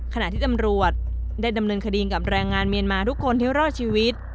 ขณะที่ตำรวจได้ดำเนินคดีกับแรงงานเมียนมาทุกคนที่รอดชีวิต